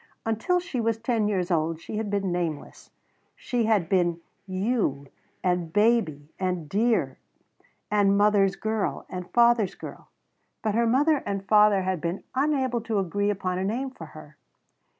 Until she was ten years old she had been nameless. She had been You and Baby and Dear and Mother's Girl and Father's Girl, but her mother and father had been unable to agree upon a name for her.